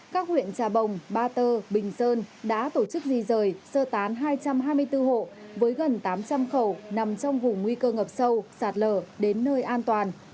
các huyện trà bồng ba tơ bình sơn đã tổ chức di rời sơ tán hai trăm hai mươi bốn hộ với gần tám trăm linh khẩu nằm trong vùng nguy cơ ngập sâu sạt lở đến nơi an toàn